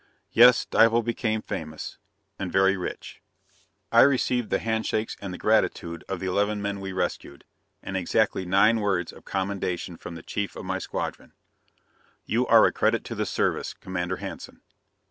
Yes, Dival became famous and very rich. I received the handshakes and the gratitude of the eleven men we rescued, and exactly nine words of commendation from the Chief of my squadron: _"You are a credit to the Service, Commander Hanson!"